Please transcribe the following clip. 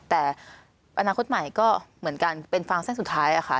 แต่อนาคตใหม่ก็เหมือนกันเป็นฟางเส้นสุดท้ายค่ะ